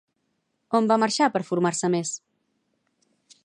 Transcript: On va marxar per formar-se més?